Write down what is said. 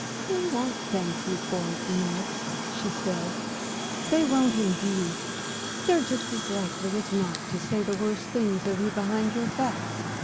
"They won't thank you for it, Miss," she said "they won't indeed. They're just as likely as not to say the worst things of you behind your back."